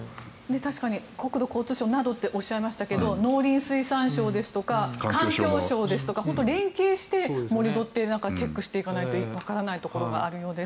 確かに国土交通省などとおっしゃいましたけど農林水産省ですとか環境省ですとか連携して盛り土をチェックしていかないとわからないところがあるようです。